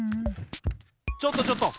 ・ちょっとちょっと！